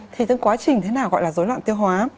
thì cái quá trình thế nào gọi là dối loạn tiêu hóa